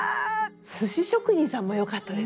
寿司職人さんも良かったですね